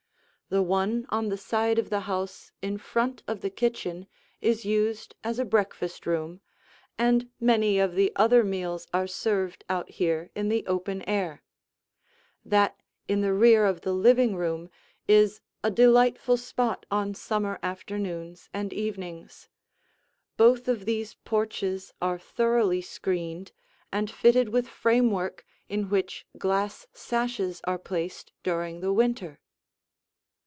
The one on the side of the house in front of the kitchen is used as a breakfast room, and many of the other meals are served out here in the open air. That in the rear of the living room is a delightful spot on summer afternoons and evenings. Both of these porches are thoroughly screened and fitted with framework in which glass sashes are placed during the winter.